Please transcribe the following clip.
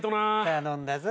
頼んだぞ。